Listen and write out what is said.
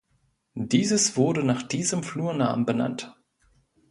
Dieses wurde nach diesem Flurnamen benannt.